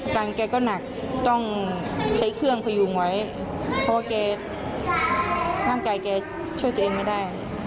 แกก็หนักต้องใช้เครื่องพยุงไว้เพราะว่าแกร่างกายแกช่วยตัวเองไม่ได้